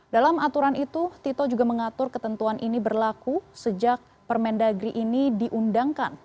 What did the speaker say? dalam aturan itu tito juga mengatur ketentuan ini berlaku sejak permendagri ini diundangkan